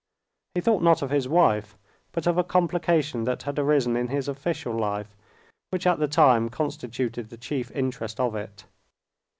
He thought not of his wife, but of a complication that had arisen in his official life, which at the time constituted the chief interest of it.